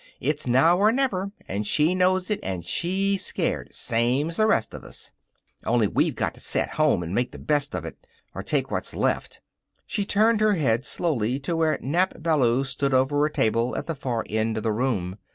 It's now or never, and she knows it and she's scared, same's the rest of us. On'y we got to set home and make the best of it. Or take what's left." She turned her head slowly to where Nap Ballou stood over a table at the far end of the room.